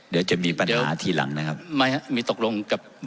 เดี๋ยวจะมีปัญหาที่หลังนะครับ